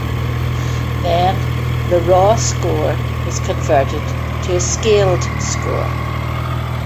Then, the raw score is converted to a scaled score.